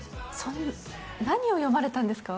何を読まれたんですか？